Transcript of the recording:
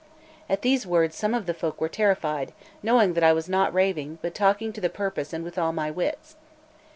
At these words some of the folk were terrified, knowing that I was not raving, but talking to the purpose and with all my wits.